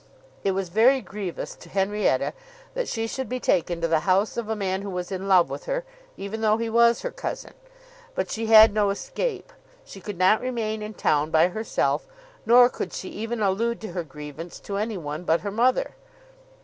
It was very grievous to Henrietta that she should be taken to the house of a man who was in love with her, even though he was her cousin. But she had no escape. She could not remain in town by herself, nor could she even allude to her grievance to anyone but to her mother.